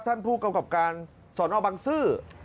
ท่านผู้กำกับการสอนอบังซื้อ